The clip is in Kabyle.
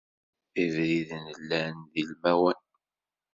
Ibriden llan d ilmawen.